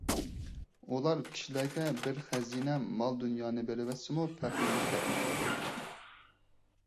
ئۇلار كىشىلەرگە بىر خەزىنە مال – دۇنيانى بېرىۋەتسىمۇ پەخىرلىنىپ كەتمەيدۇ.